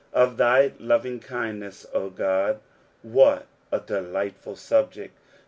' Of thy loeingMndnttt, 0 God." What a delight ful subject